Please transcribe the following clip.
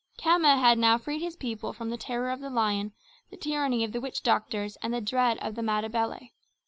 Khama had now freed his people from the terror of the lion, the tyranny of witch doctors, and the dread of the Matabele.